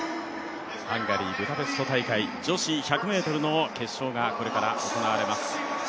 ハンガリー・ブダペスト大会女子１００ｍの決勝がこれから行われます。